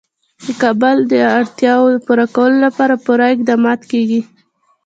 د کابل د اړتیاوو پوره کولو لپاره پوره اقدامات کېږي.